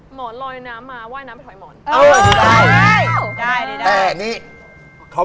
หมอนเอง